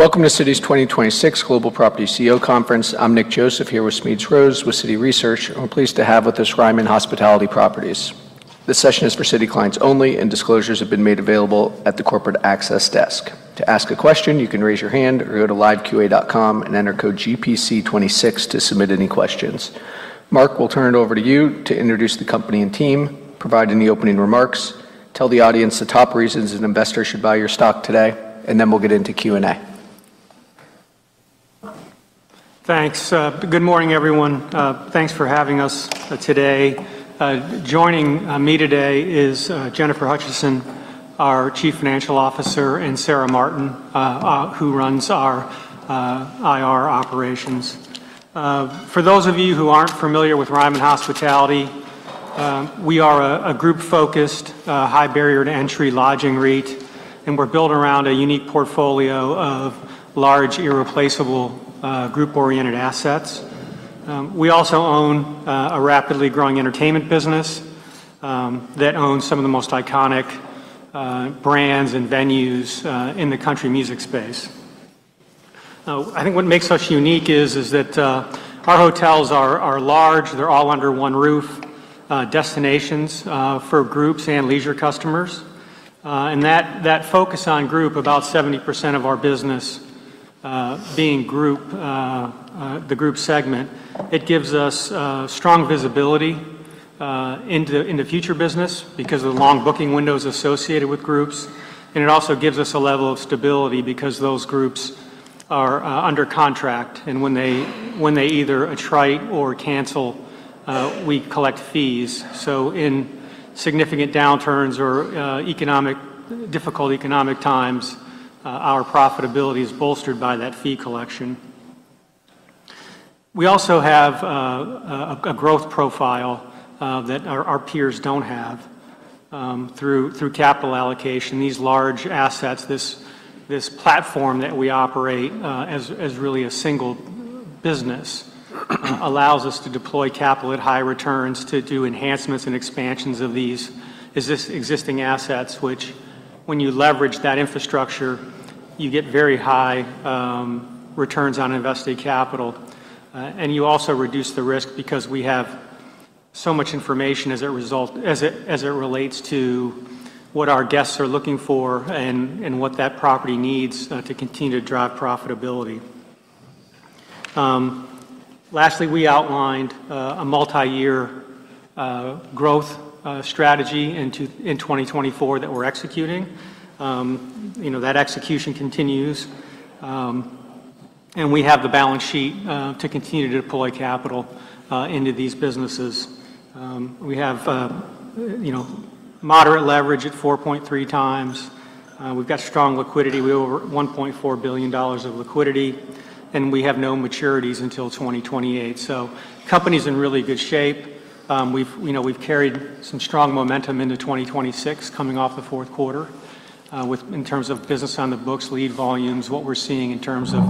Welcome to Citi's 2026 Global Property CEO Conference. I'm Nick Joseph here with Smedes Rose with Citi Research. We're pleased to have with us Ryman Hospitality Properties. This session is for Citi clients only, and disclosures have been made available at the corporate access desk. To ask a question, you can raise your hand or go to liveqa.com and enter code GPC26 to submit any questions. Mark, we'll turn it over to you to introduce the company and team, provide any opening remarks, tell the audience the top reasons an investor should buy your stock today, and then we'll get into Q&A. Thanks. Good morning, everyone. Thanks for having us today. Joining me today is Jennifer Hutcheson, our Chief Financial Officer, and Sarah Martin, who runs our IR operations. For those of you who aren't familiar with Ryman Hospitality, we are a group-focused, high barrier to entry lodging REIT, and we're built around a unique portfolio of large, irreplaceable, group-oriented assets. We also own a rapidly growing entertainment business that owns some of the most iconic brands and venues in the country music space. I think what makes us unique is that our hotels are large. They're all under one roof, destinations for groups and leisure customers. That focus on group, about 70% of our business, being group, the group segment, it gives us strong visibility into future business because of the long booking windows associated with groups. It also gives us a level of stability because those groups are under contract. When they either attrite or cancel, we collect fees. In significant downturns or difficult economic times, our profitability is bolstered by that fee collection. We also have a growth profile that our peers don't have through capital allocation. These large assets, this platform that we operate, as really a single business allows us to deploy capital at high returns to do enhancements and expansions of these existing assets, which when you leverage that infrastructure, you get very high returns on invested capital. You also reduce the risk because we have so much information as it relates to what our guests are looking for and what that property needs to continue to drive profitability. Lastly, we outlined a multiyear growth strategy in 2024 that we're executing. You know, that execution continues. We have the balance sheet to continue to deploy capital into these businesses. We have, you know, moderate leverage at 4.3x. We've got strong liquidity. We have over $1.4 billion of liquidity. We have no maturities until 2028. Company's in really good shape. We've, you know, carried some strong momentum into 2026 coming off the fourth quarter, with, in terms of business on the books, lead volumes, what we're seeing in terms of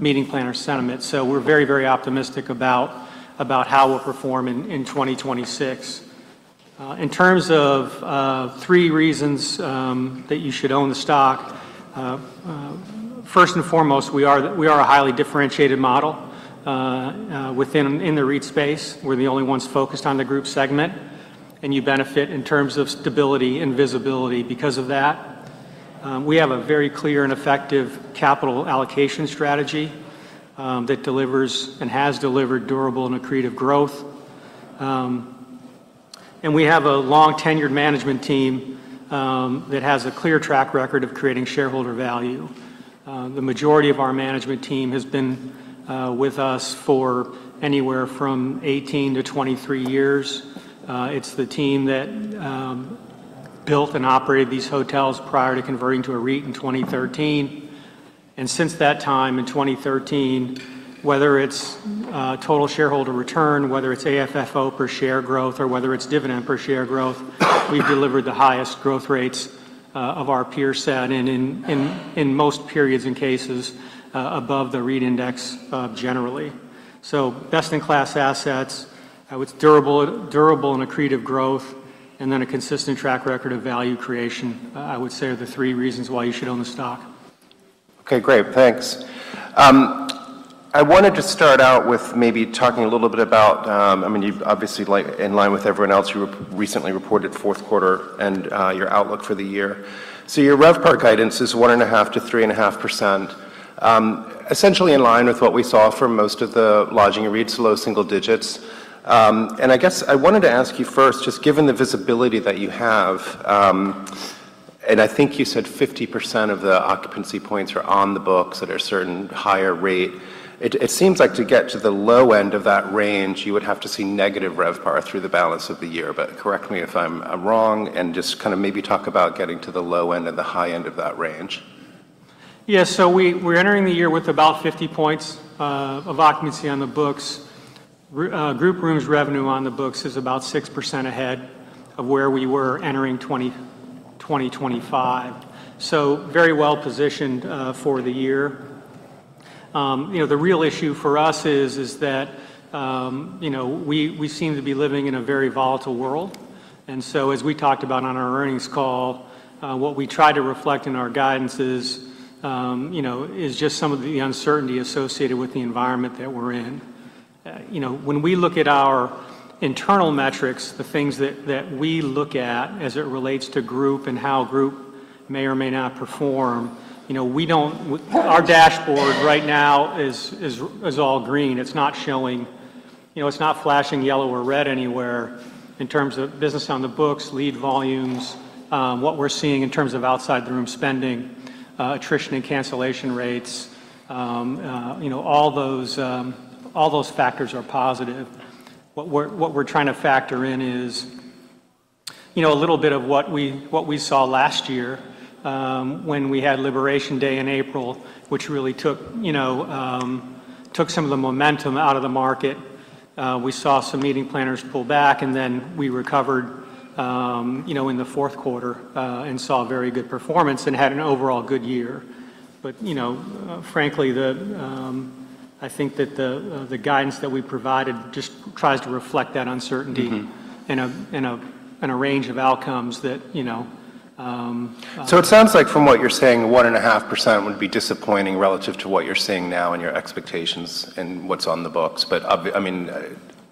meeting planner sentiment. We're very optimistic about how we'll perform in 2026. In terms of three reasons that you should own the stock, first and foremost, we are a highly differentiated model, within, in the REIT space. We're the only ones focused on the group segment. You benefit in terms of stability and visibility because of that. We have a very clear and effective capital allocation strategy that delivers and has delivered durable and accretive growth. We have a long-tenured management team that has a clear track record of creating shareholder value. The majority of our management team has been with us for 18 years-2three years. it's the team that built and operated these hotels prior to converting to a REIT in 2013. Since that time in 2013, whether it's total shareholder return, whether it's AFFO per share growth, or whether it's dividend per share growth, we've delivered the highest growth rates of our peer set and in most periods and cases above the REIT index generally. Best-in-class assets, with durable and accretive growth, and then a consistent track record of value creation, I would say are the three reasons why you should own the stock. Okay, great. Thanks. I wanted to start out with maybe talking a little bit about, I mean, you've obviously like in line with everyone else, you recently reported fourth quarter and your outlook for the year. Your RevPAR guidance is 1.5%-3.5%, essentially in line with what we saw for most of the lodging REITs, low single digits. I guess I wanted to ask you first, just given the visibility that you have, and I think you said 50% of the occupancy points are on the books at a certain higher rate, it seems like to get to the low end of that range, you would have to see negative RevPAR through the balance of the year. Correct me if I'm wrong and just kinda maybe talk about getting to the low end and the high end of that range. Yeah. We're entering the year with about 50 points of occupancy on the books. Group rooms revenue on the books is about 6% ahead of where we were entering 2025. Very well-positioned for the year. You know, the real issue for us is that, you know, we seem to be living in a very volatile world. As we talked about on our earnings call, what we try to reflect in our guidance is, you know, is just some of the uncertainty associated with the environment that we're in. You know, when we look at our internal metrics, the things that we look at as it relates to group and how group may or may not perform, you know, we don't. Our dashboard right now is all green. It's not showing, you know, it's not flashing yellow or red anywhere in terms of business on the books, lead volumes, what we're seeing in terms of outside-the-room spending, attrition and cancellation rates. You know, all those factors are positive. What we're trying to factor in is, you know, a little bit of what we saw last year, when we had Liberation Day in April, which really took, you know, took some of the momentum out of the market. We saw some meeting planners pull back, we recovered, you know, in the fourth quarter, and saw very good performance and had an overall good year. You know, frankly, the... I think that the guidance that we provided just tries to reflect that uncertainty... Mm-hmm in a range of outcomes that, you know. It sounds like from what you're saying, 1.5% would be disappointing relative to what you're seeing now and your expectations and what's on the books. I mean,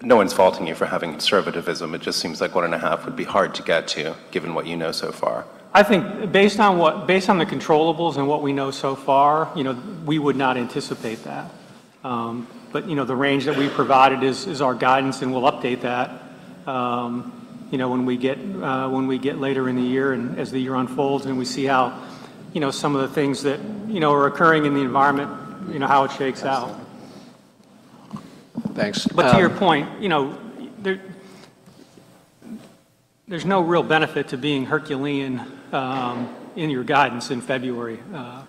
no one's faulting you for having conservativism. It just seems like 1.5 would be hard to get to given what you know so far. I think based on the controllables and what we know so far, you know, we would not anticipate that. You know, the range that we provided is our guidance, and we'll update that, you know, when we get, when we get later in the year and as the year unfolds, and we see how, you know, some of the things that, you know, are occurring in the environment, you know, how it shakes out. I see. Thanks. To your point, you know, there's no real benefit to being Herculean, in your guidance in February,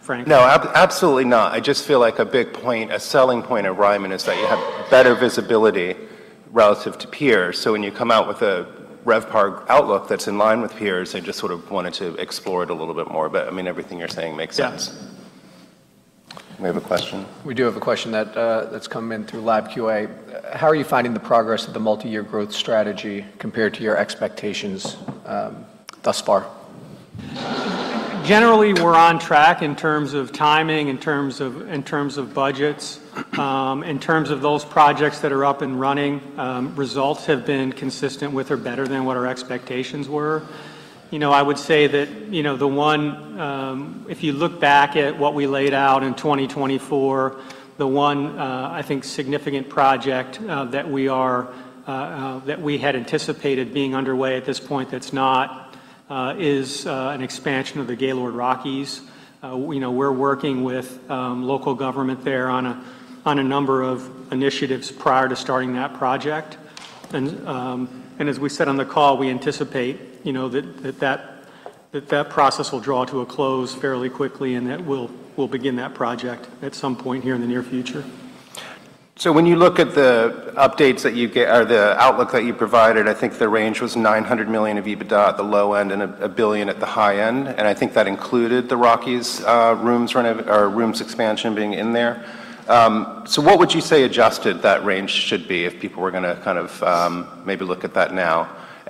frankly. No, absolutely not. I just feel like a big point, a selling point of Ryman is that you have better visibility relative to peers. When you come out with a RevPAR outlook that's in line with peers, I just sort of wanted to explore it a little bit more. I mean, everything you're saying makes sense. Yeah. We have a question. We do have a question that's come in through Live Q&A. How are you finding the progress of the multi-year growth strategy compared to your expectations thus far? Generally, we're on track in terms of timing, in terms of budgets. In terms of those projects that are up and running, results have been consistent with or better than what our expectations were. You know, I would say that, you know, the one, if you look back at what we laid out in 2024, the one I think significant project that we are that we had anticipated being underway at this point that's not is an expansion of the Gaylord Rockies. You know, we're working with local government there on a number of initiatives prior to starting that project. As we said on the call, we anticipate, you know, that process will draw to a close fairly quickly, and that we'll begin that project at some point here in the near future. When you look at the outlook that you provided, I think the range was $900 million of EBITDA at the low end and $1 billion at the high end, and I think that included the Rockies' rooms expansion being in there. What would you say adjusted that range should be if people were gonna kind of maybe look at that now?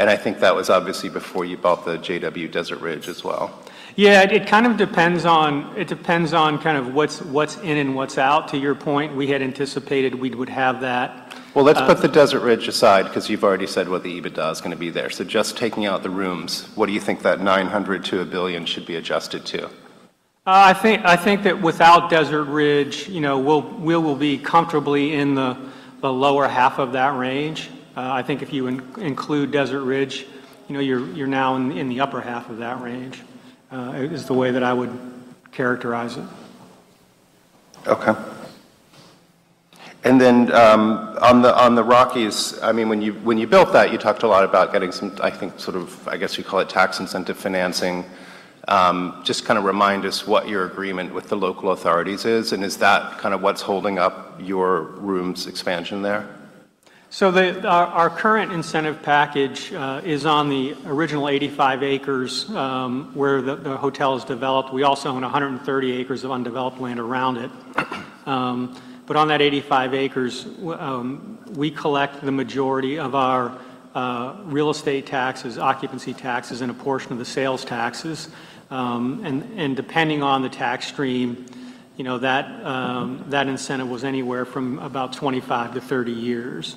I think that was obviously before you bought the JW Desert Ridge as well. Yeah, it kind of depends on, it depends on kind of what's in and what's out. To your point, we had anticipated we would have that. Well, let's put the Desert Ridge aside because you've already said what the EBITDA is gonna be there. Just taking out the rooms, what do you think that $900 million-$1 billion should be adjusted to? I think that without Desert Ridge, you know, we will be comfortably in the lower half of that range. I think if you include Desert Ridge, you know, you're now in the upper half of that range, is the way that I would characterize it. Okay. Then, on the Rockies, I mean, when you built that, you talked a lot about getting some, I think, sort of, I guess you'd call it tax incentive financing. Just kinda remind us what your agreement with the local authorities is, and is that kind of what's holding up your rooms expansion there? The our current incentive package is on the original 85 acres where the hotel is developed. We also own 130 acres of undeveloped land around it. On that 85 acres, we collect the majority of our real estate taxes, occupancy taxes, and a portion of the sales taxes. Depending on the tax stream, you know, that incentive was anywhere from about 25 years-30 years.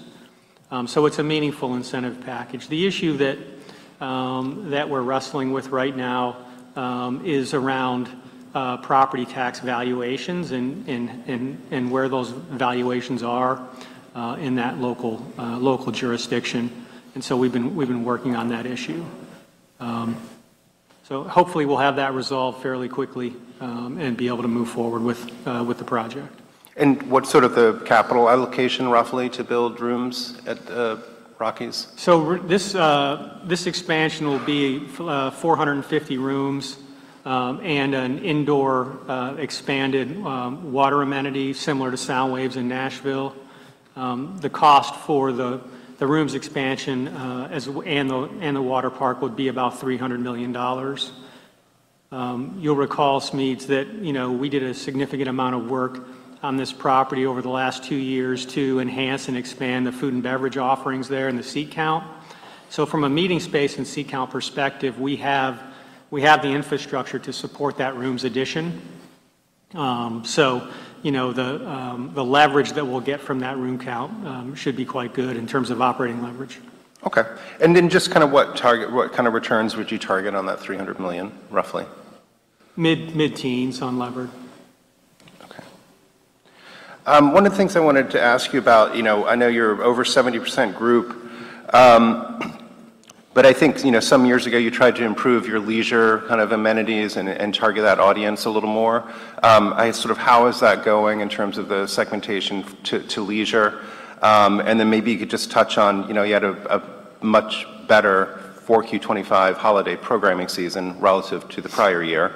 It's a meaningful incentive package. The issue that we're wrestling with right now is around property tax valuations and where those valuations are in that local jurisdiction. We've been working on that issue. Hopefully we'll have that resolved fairly quickly, and be able to move forward with the project. What's sort of the capital allocation roughly to build rooms at the Rockies? This expansion will be 450 rooms and an indoor expanded water amenity similar to SoundWaves in Nashville. The cost for the rooms expansion and the water park would be about $300 million. You'll recall, Smedes, that, you know, we did a significant amount of work on this property over the last two years to enhance and expand the food and beverage offerings there and the seat count. From a meeting space and seat count perspective, we have the infrastructure to support that room's addition. You know, the leverage that we'll get from that room count should be quite good in terms of operating leverage. Okay. Then just kind of what target, what kind of returns would you target on that $300 million, roughly? Mid-teens on levered. Okay. One of the things I wanted to ask you about, you know, I know you're over 70% group, but I think, you know, some years ago, you tried to improve your leisure kind of amenities and target that audience a little more. How is that going in terms of the segmentation to leisure? Maybe you could just touch on, you know, you had a much better 4Q 2025 holiday programming season relative to the prior year.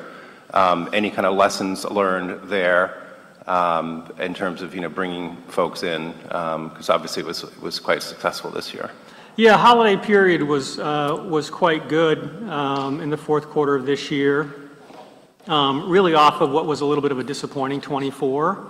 Any kind of lessons learned there, in terms of, you know, bringing folks in? Because obviously it was quite successful this year. Yeah. Holiday period was quite good in the fourth quarter of this year, really off of what was a little bit of a disappointing 2024.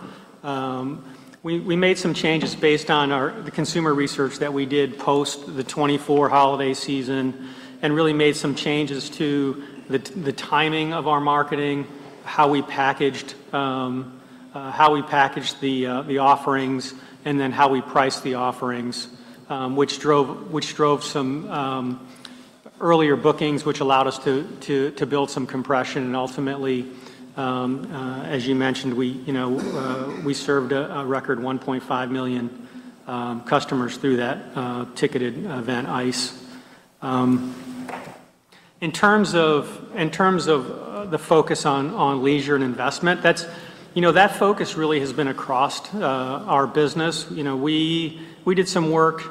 We made some changes based on the consumer research that we did post the 2024 holiday season and really made some changes to the timing of our marketing, how we packaged, how we packaged the offerings, and then how we priced the offerings, which drove some earlier bookings, which allowed us to build some compression. Ultimately, as you mentioned, we, you know, we served a record 1.5 million customers through that ticketed event ICE!. In terms of, in terms of, the focus on leisure and investment, that's, you know, that focus really has been across, our business. You know, we did some work,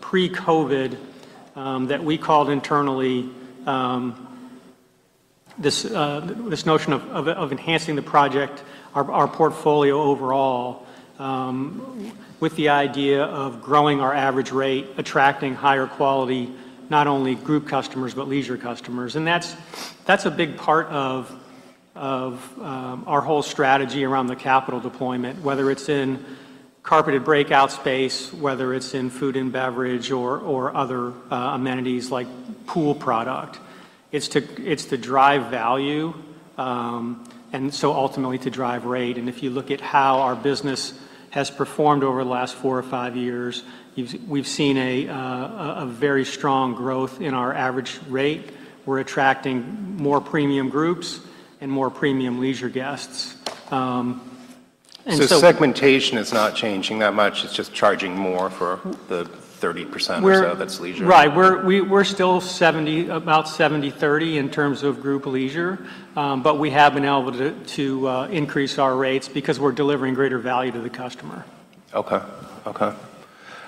pre-COVID, that we called internally, this notion of, of enhancing the project, our portfolio overall, with the idea of growing our average rate, attracting higher quality, not only group customers, but leisure customers. That's a big part of, our whole strategy around the capital deployment, whether it's in carpeted breakout space, whether it's in food and beverage or other, amenities like pool product. It's to drive value, ultimately to drive rate. If you look at how our business has performed over the last four or five years, we've seen a very strong growth in our average rate. We're attracting more premium groups and more premium leisure guests. segmentation is not changing that much, it's just charging more for the 30% or so that's leisure. Right. We're still 70, about 70/30 in terms of group leisure. We have been able to increase our rates because we're delivering greater value to the customer. Okay. Okay.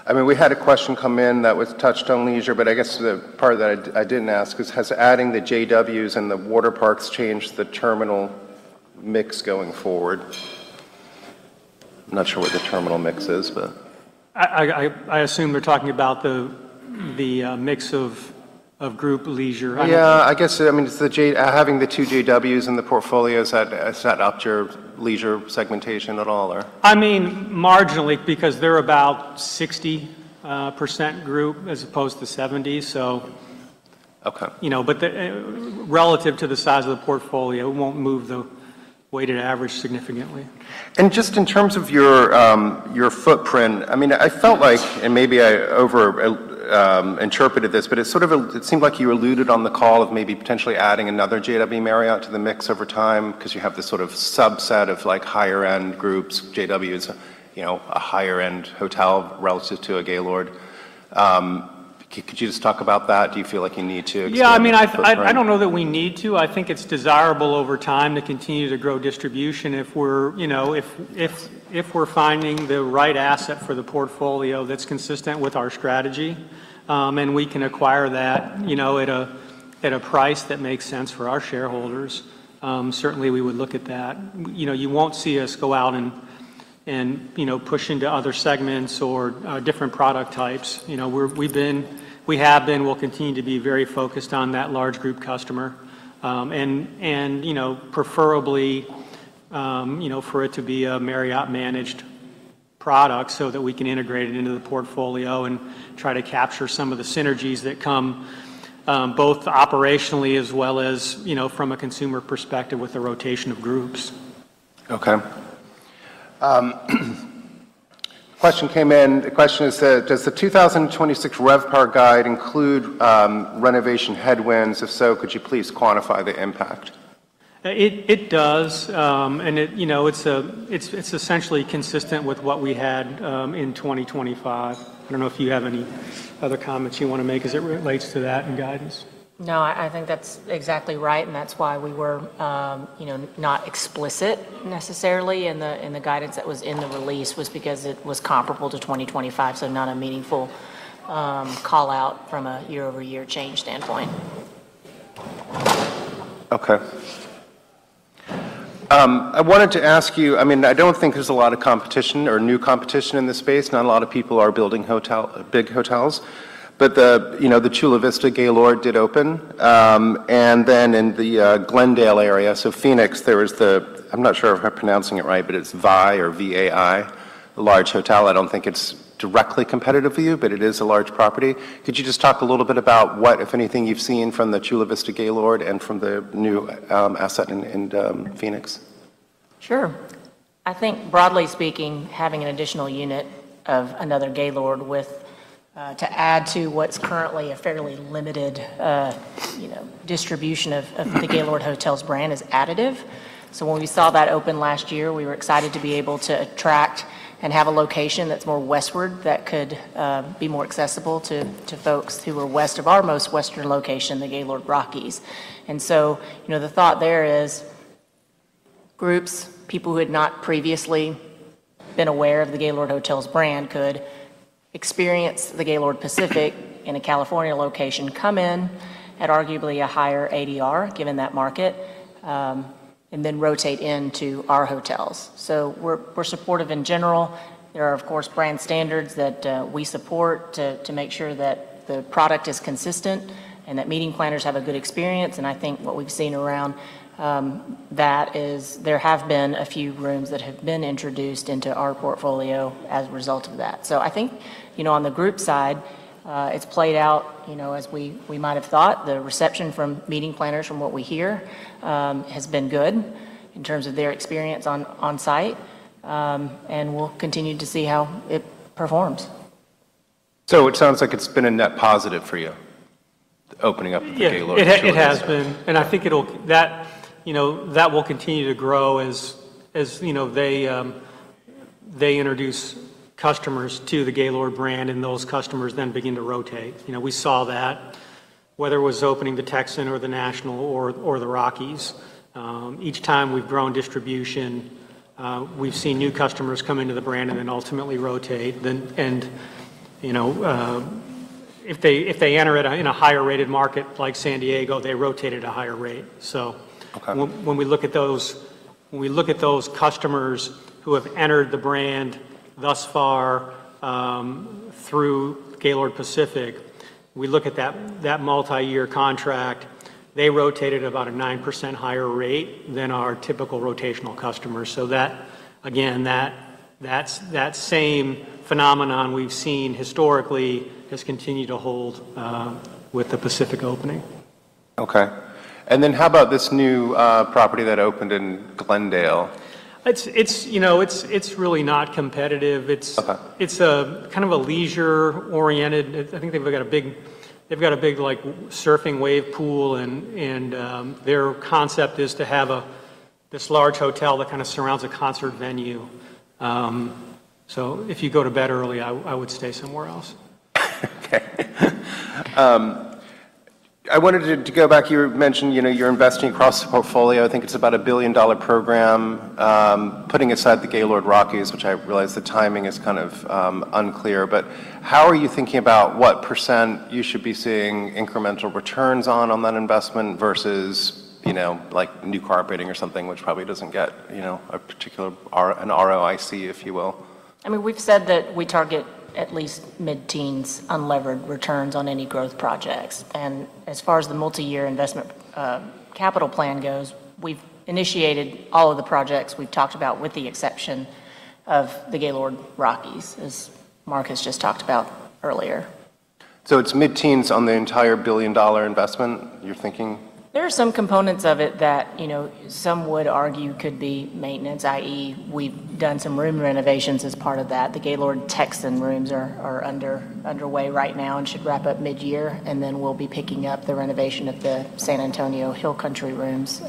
I mean, we had a question come in that was touched on leisure, but I guess the part that I didn't ask is, has adding the JW's and the water parks changed the terminal mix going forward? I'm not sure what the terminal mix is, but. I assume you're talking about the mix of group leisure. I mean. I guess, I mean, is the having the two JW's in the portfolios, has that upped your leisure segmentation at all or? I mean, marginally because they're about 60% group as opposed to 70%. Okay... you know, but the, relative to the size of the portfolio, it won't move the weighted average significantly. Just in terms of your footprint, I mean, I felt like, and maybe I overinterpreted this, but it sort of, it seemed like you alluded on the call of maybe potentially adding another JW Marriott to the mix over time because you have this sort of subset of like higher end groups. JW is, you know, a higher end hotel relative to a Gaylord. Could you just talk about that? Do you feel like you need to expand the footprint? Yeah. I mean, I don't know that we need to. I think it's desirable over time to continue to grow distribution if we're, you know, if we're finding the right asset for the portfolio that's consistent with our strategy, and we can acquire that, you know, at a, at a price that makes sense for our shareholders, certainly we would look at that. You know, you won't see us go out and, you know, push into other segments or different product types. You know, we have been, we'll continue to be very focused on that large group customer. You know, preferably, you know, for it to be a Marriott managed product so that we can integrate it into the portfolio and try to capture some of the synergies that come, both operationally as well as, you know, from a consumer perspective with the rotation of groups. Question came in. The question is, does the 2026 RevPAR guide include renovation headwinds? If so, could you please quantify the impact? It does. It, you know, it's essentially consistent with what we had, in 2025. I don't know if you have any other comments you wanna make as it relates to that and guidance. No, I think that's exactly right, and that's why we were, you know, not explicit necessarily in the, in the guidance that was in the release was because it was comparable to 2025, so not a meaningful call-out from a year-over-year change standpoint. Okay. I mean, I don't think there's a lot of competition or new competition in this space. Not a lot of people are building hotel, big hotels. The, you know, the Gaylord Pacific did open. Then in the Glendale area, so Phoenix, there was the... I'm not sure if I'm pronouncing it right, but it's VAI or V-A-I, a large hotel. I don't think it's directly competitive for you, but it is a large property. Could you just talk a little bit about what, if anything, you've seen from the Gaylord Pacific and from the new asset in Phoenix? Sure. I think broadly speaking, having an additional unit of another Gaylord with to add to what's currently a fairly limited, you know, distribution of the Gaylord Hotels brand is additive. When we saw that open last year, we were excited to be able to attract and have a location that's more westward that could be more accessible to folks who are west of our most western location, the Gaylord Rockies. You know, the thought there is groups, people who had not previously been aware of the Gaylord Hotels brand could experience the Gaylord Pacific in a California location, come in at arguably a higher ADR, given that market, and then rotate into our hotels. We're, we're supportive in general. There are, of course, brand standards that we support to make sure that the product is consistent and that meeting planners have a good experience. I think what we've seen around that is there have been a few rooms that have been introduced into our portfolio as a result of that. I think, you know, on the group side, it's played out, you know, as we might have thought. The reception from meeting planners from what we hear, has been good in terms of their experience on site. We'll continue to see how it performs. It sounds like it's been a net positive for you, opening up the Gaylord Pacific. Yeah, it has been. I think that, you know, that will continue to grow as, you know, they introduce customers to the Gaylord brand, and those customers then begin to rotate. You know, we saw that. Whether it was opening the Texan or the National or the Rockies, each time we've grown distribution, we've seen new customers come into the brand and then ultimately rotate. You know, if they enter in a higher rated market like San Diego, they rotate at a higher rate. Okay ... when we look at those customers who have entered the brand thus far, through Gaylord Pacific, we look at that multiyear contract, they rotate at about a 9% higher rate than our typical rotational customers. That, again, that's that same phenomenon we've seen historically has continued to hold, with the Pacific opening. Okay. How about this new property that opened in Glendale? It's, you know, it's really not competitive. Okay. It's a kind of a leisure-oriented. I think they've got a big, like, surfing wave pool and their concept is to have this large hotel that kinda surrounds a concert venue. If you go to bed early, I would stay somewhere else. Okay. I wanted to go back. You mentioned, you know, you're investing across the portfolio. I think it's about $1 billion program. Putting aside the Gaylord Rockies, which I realize the timing is kind of unclear, how are you thinking about what percent you should be seeing incremental returns on that investment versus, you know, like new cooperating or something, which probably doesn't get, you know, a particular ROIC, if you will? I mean, we've said that we target at least mid-teens unlevered returns on any growth projects. As far as the multiyear investment, capital plan goes, we've initiated all of the projects we've talked about, with the exception of the Gaylord Rockies, as Mark has just talked about earlier. It's mid-teens on the entire billion-dollar investment you're thinking? There are some components of it that, you know, some would argue could be maintenance, i.e., we've done some room renovations as part of that. The Gaylord Texan rooms are underway right now and should wrap up midyear, and then we'll be picking up the renovation of the San Antonio Hill Country rooms,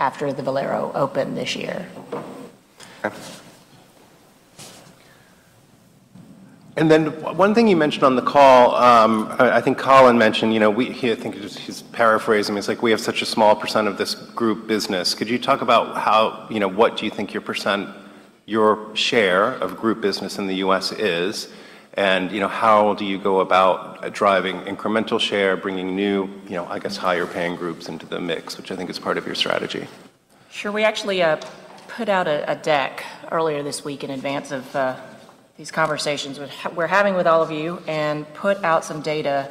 after the Valero Open this year. Okay. One thing you mentioned on the call, I think Colin mentioned, you know, He, I think it was his paraphrase. I mean, it's like we have such a small % of this group business. Could you talk about how, you know, what do you think your percent, your share of group business in the U.S. is? You know, how do you go about driving incremental share, bringing new, you know, I guess, higher paying groups into the mix, which I think is part of your strategy? Sure. We actually put out a deck earlier this week in advance of these conversations we're having with all of you and put out some data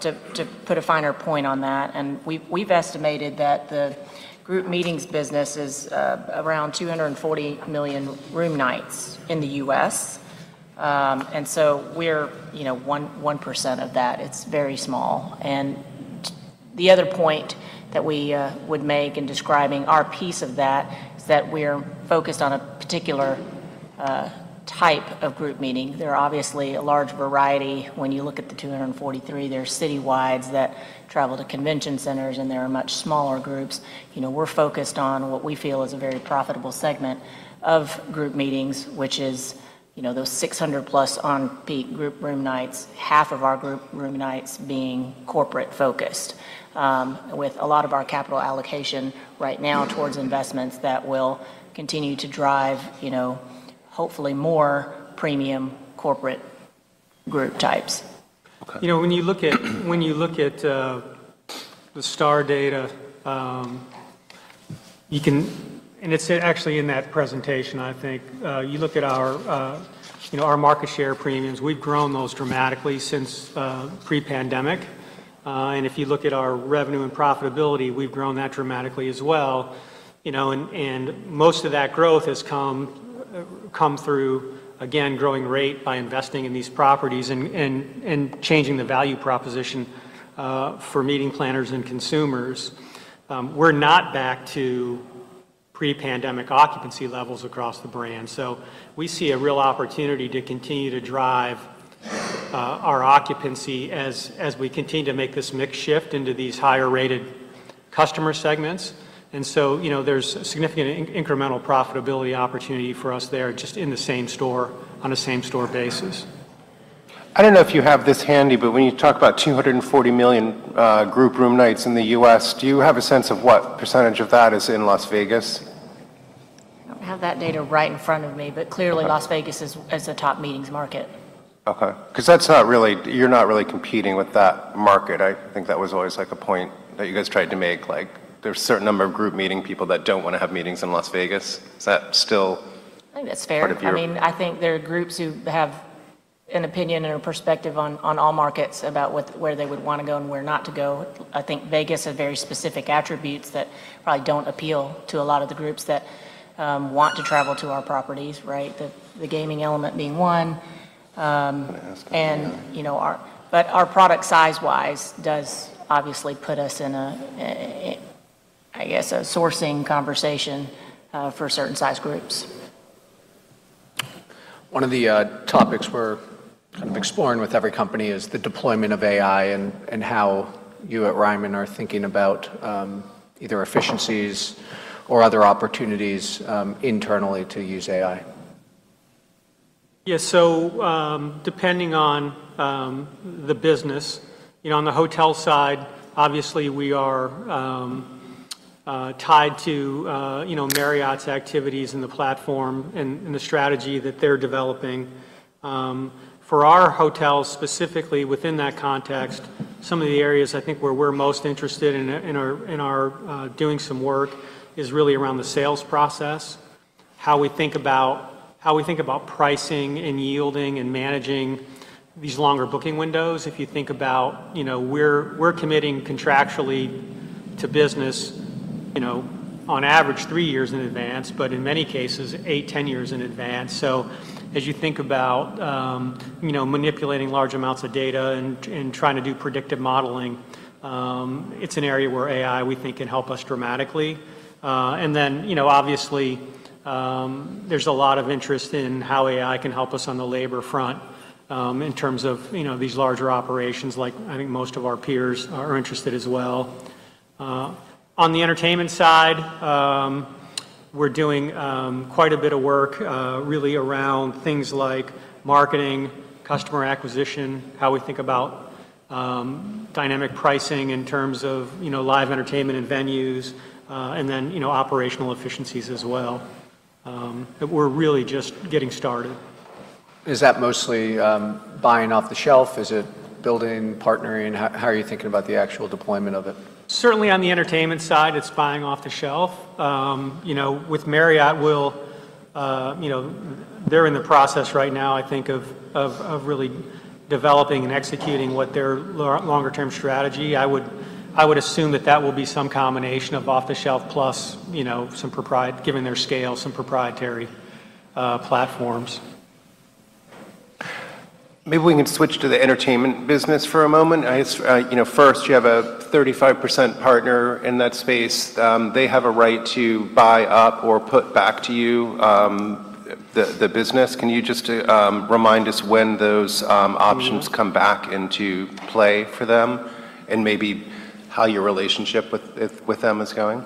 to put a finer point on that. We've estimated that the group meetings business is around 240 million room nights in the US. We're, you know, 1% of that. It's very small. The other point that we would make in describing our piece of that is that we're focused on a particular type of group meeting. There are obviously a large variety when you look at the 243. There are citywides that travel to convention centers, and there are much smaller groups. You know, we're focused on what we feel is a very profitable segment of group meetings, which is, you know, those 600-plus on peak group room nights, half of our group room nights being corporate-focused, with a lot of our capital allocation right now towards investments that will continue to drive, you know, hopefully more premium corporate group types. Okay. You know, when you look at the STR data, it's actually in that presentation, I think. You look at our, you know, our market share premiums, we've grown those dramatically since pre-pandemic. If you look at our revenue and profitability, we've grown that dramatically as well. You know, most of that growth has come through, again, growing rate by investing in these properties and changing the value proposition for meeting planners and consumers. We're not back to pre-pandemic occupancy levels across the brand. We see a real opportunity to continue to drive our occupancy as we continue to make this mix shift into these higher-rated customer segments. You know, there's significant incremental profitability opportunity for us there just in the same store on a same-store basis. I don't know if you have this handy, but when you talk about 240 million group room nights in the US, do you have a sense of what percentage of that is in Las Vegas? I don't have that data right in front of me. Okay Las Vegas is a top meetings market. Okay. 'Cause that's not really, you're not really competing with that market. I think that was always, like, a point that you guys tried to make. Like, there's a certain number of group meeting people that don't wanna have meetings in Las Vegas. Is that still? I think that's fair.... part of... I mean, I think there are groups who have an opinion or a perspective on all markets about where they would wanna go and where not to go. I think Vegas has very specific attributes that probably don't appeal to a lot of the groups that want to travel to our properties, right? The, the gaming element being one. I'm gonna ask about. You know, our product size-wise does obviously put us in a, I guess, a sourcing conversation for certain size groups. One of the topics we're kind of exploring with every company is the deployment of AI and how you at Ryman are thinking about either efficiencies or other opportunities internally to use AI. Yeah. Depending on the business, you know, on the hotel side, obviously, we are tied to, you know, Marriott's activities and the platform and the strategy that they're developing. For our hotels specifically within that context, some of the areas I think where we're most interested and are doing some work is really around the sales process, how we think about pricing and yielding and managing these longer booking windows. If you think about, you know, we're committing contractually to business, you know, on average three years in advance, but in many cases, eight, 10 years in advance. As you think about, you know, manipulating large amounts of data and trying to do predictive modeling, it's an area where AI, we think, can help us dramatically. You know, obviously, there's a lot of interest in how AI can help us on the labor front, in terms of, you know, these larger operations, like I think most of our peers are interested as well. On the entertainment side, we're doing quite a bit of work really around things like marketing, customer acquisition, how we think about dynamic pricing in terms of, you know, live entertainment and venues, and then, you know, operational efficiencies as well that we're really just getting started. Is that mostly buying off the shelf? Is it building, partnering? How are you thinking about the actual deployment of it? Certainly on the entertainment side, it's buying off the shelf. you know, with Marriott, you know, they're in the process right now, I think, of really developing and executing what their longer term strategy. I would assume that that will be some combination of off-the-shelf plus, you know, some given their scale, some proprietary platforms. Maybe we can switch to the entertainment business for a moment. I guess, you know, first, you have a 35% partner in that space. They have a right to buy up or put back to you, the business. Can you just remind us when those options? Mm-hmm... come back into play for them and maybe how your relationship with them is going?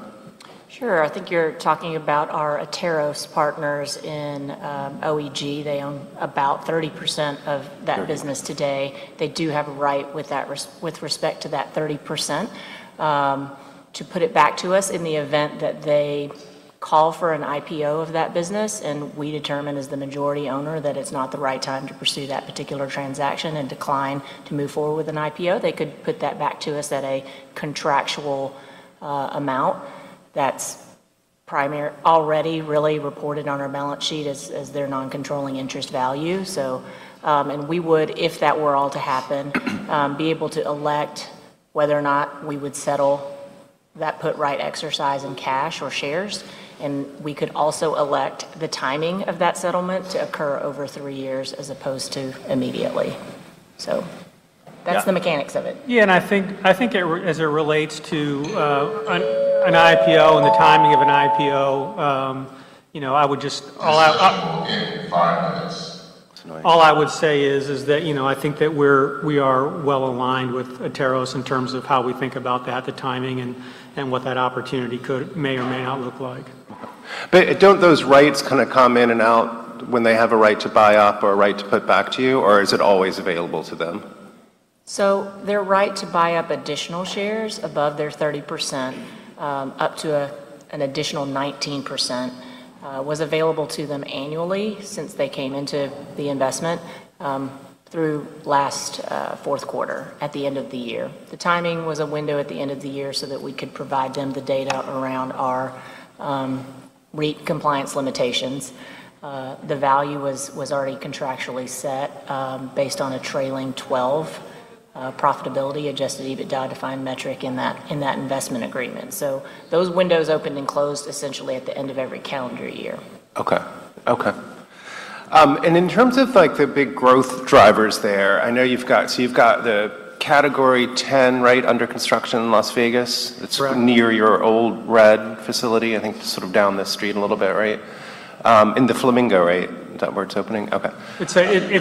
Sure. I think you're talking about our Atairos partners in OEG. They own about 30% of that business today. 30%. They do have a right with respect to that 30% to put it back to us in the event that they call for an IPO of that business and we determine as the majority owner that it's not the right time to pursue that particular transaction and decline to move forward with an IPO. They could put that back to us at a contractual amount that's already really reported on our balance sheet as their non-controlling interest value. We would, if that were all to happen, be able to elect whether or not we would settle that put right exercise in cash or shares, and we could also elect the timing of that settlement to occur over three years as opposed to immediately. Yeah the mechanics of it. Yeah. I think as it relates to an IPO and the timing of an IPO, you know, I would just. That's annoying.... all I would say is that, you know, I think that we are well aligned with Atairos in terms of how we think about that, the timing and what that opportunity could, may or may not look like. Okay. Don't those rights kinda come in and out when they have a right to buy up or a right to put back to you, or is it always available to them? Their right to buy up additional shares above their 30%, up to an additional 19%, was available to them annually since they came into the investment, through last fourth quarter at the end of the year. The timing was a window at the end of the year so that we could provide them the data around our REIT compliance limitations. The value was already contractually set, based on a trailing 12, profitability Adjusted EBITDA defined metric in that investment agreement. Those windows opened and closed essentially at the end of every calendar year. Okay. In terms of like the big growth drivers there, you've got the Category 10, right, under construction in Las Vegas. Correct. It's near your Ole Red facility, I think sort of down the street a little bit, right? In the Flamingo, right? Is that where it's opening? Okay. It's in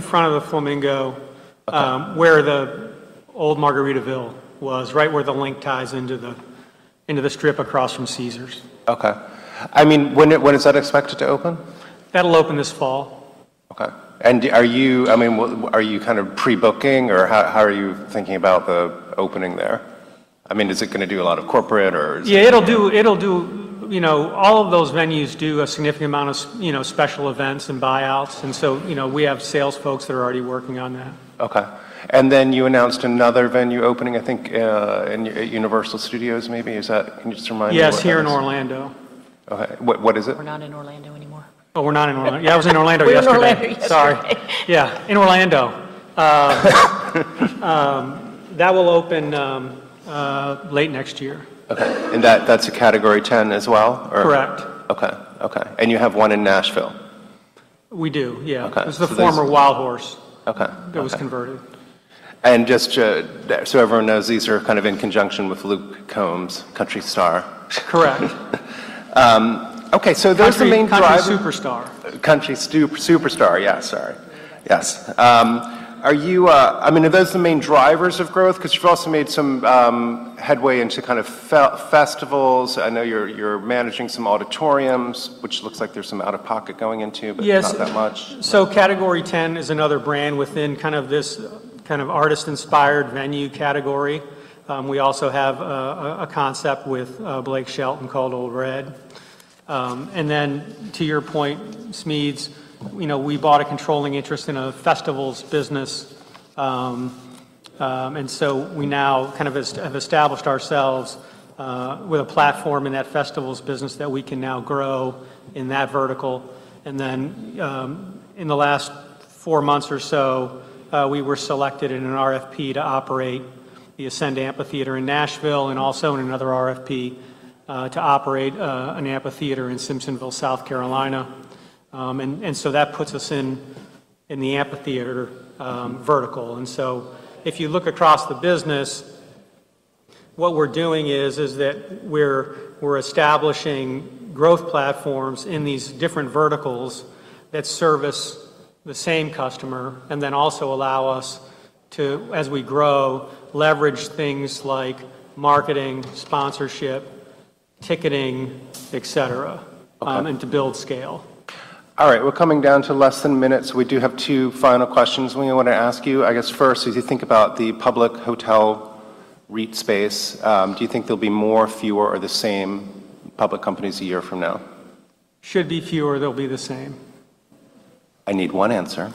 front of the Flamingo. Okay... where the old Margaritaville was, right where The LINQ ties into the Strip across from Caesars. Okay. I mean, when is that expected to open? That'll open this fall. Okay. I mean, are you kind of pre-booking, or how are you thinking about the opening there? I mean, is it gonna do a lot of corporate or is it? Yeah, it'll do. You know, all of those venues do a significant amount of, you know, special events and buyouts. You know, we have sales folks that are already working on that. Okay. You announced another venue opening, I think, in, at Universal Studios maybe. Can you just remind me what that is? Yes, here in Orlando. Okay. What, what is it? We're not in Orlando anymore. Oh, we're not in Orlando. Yeah, I was in Orlando yesterday. We were in Orlando yesterday. Sorry. Yeah, in Orlando. That will open late next year. Okay. That's a Category 10 as well? Correct. Okay. Okay. You have one in Nashville. We do, yeah. Okay. It's the former Wildhorse- Okay. Okay. that was converted. Just to, so everyone knows, these are kind of in conjunction with Luke Combs, country star. Correct. okay. Those are the main drivers- Country superstar. Country superstar. Sorry. Yes. Are you... I mean, are those the main drivers of growth? 'Cause you've also made some headway into kind of festivals. I know you're managing some auditoriums, which looks like there's some out-of-pocket going into. Yes Not that much. Category 10 is another brand within kind of this kind of artist-inspired venue category. We also have a concept with Blake Shelton called Ole Red. To your point, Smedes, you know, we bought a controlling interest in a festivals business, and so we now kind of have established ourselves with a platform in that festivals business that we can now grow in that vertical. In the last four months or so, we were selected in an RFP to operate the Ascend Amphitheatre in Nashville and also in another RFP to operate an amphitheatre in Simpsonville, South Carolina. That puts us in the amphitheatre vertical. If you look across the business, what we're doing is that we're establishing growth platforms in these different verticals that service the same customer and then also allow us to, as we grow, leverage things like marketing, sponsorship, ticketing, et cetera. Okay... to build scale. All right, we're coming down to less than a minute, so we do have two final questions we want to ask you. I guess first, as you think about the public hotel REIT space, do you think there'll be more, fewer, or the same public companies a year from now? Should be fewer. They'll be the same. I need one answer.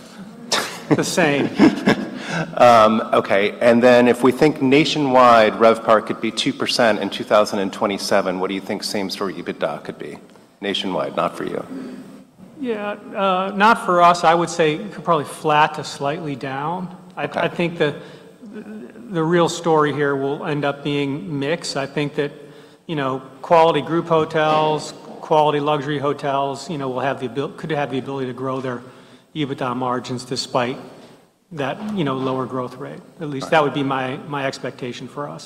The same. Okay. If we think nationwide RevPAR could be 2% in 2027, what do you think same story EBITDA could be? Nationwide, not for you. Yeah. Not for us, I would say probably flat to slightly down. Okay. I think the real story here will end up being mix. I think that, you know, quality group hotels, quality luxury hotels, you know, could have the ability to grow their EBITDA margins despite that, you know, lower growth rate. At least that would be my expectation for us.